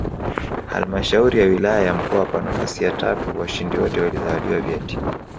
Halmashauri ya Wilaya ya Mpwapwa nafasi ya tatu washindi wote walizawadiwa vyeti